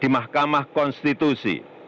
di mahkamah konstitusi